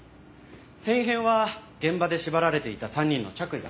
繊維片は現場で縛られていた３人の着衣だった。